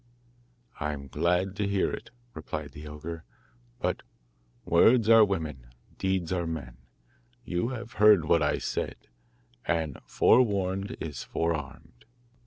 'I'm glad to hear it,' replied the ogre, 'but words are women, deeds are men. You have heard what I said, and forewarned is forearmed.